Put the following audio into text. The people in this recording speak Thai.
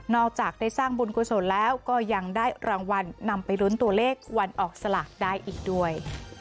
จากได้สร้างบุญกุศลแล้วก็ยังได้รางวัลนำไปลุ้นตัวเลขวันออกสลากได้อีกด้วย